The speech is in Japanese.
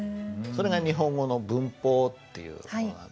それが日本語の文法っていう事なんですね。